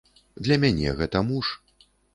Для мяне гэта муж.